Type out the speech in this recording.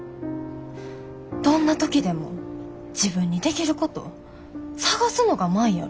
どんな時でも自分にできること探すのが舞やろ？